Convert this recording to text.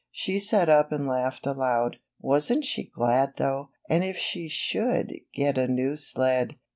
She sat up and laughed aloud. WasnT she glad though! and if she should get a new sled!